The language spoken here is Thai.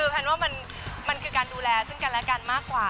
แพนว่ามันคือการดูแลซึ่งกันและกันมากกว่า